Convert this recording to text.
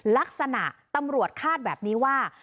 ลักษณะตำรวจคาดแบบนี้ว่า